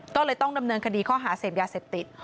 ก็เลยต้องดำเนินคดีข้อหาเสพยาเสพติด